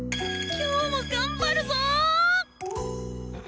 今日も頑張るぞ！